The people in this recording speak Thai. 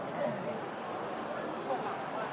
ยิงลำ